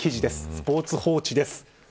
スポーツ報知です。